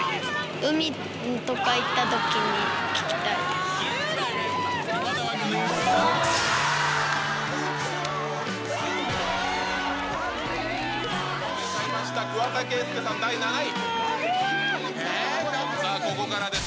海とか行ったときに聴きたいです。